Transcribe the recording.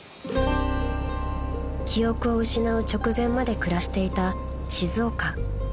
［記憶を失う直前まで暮らしていた静岡］